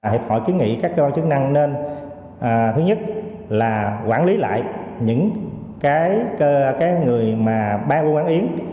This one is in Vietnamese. hiệp hội kiến nghị các do chức năng nên thứ nhất là quản lý lại những cái người mà bán buôn bán yến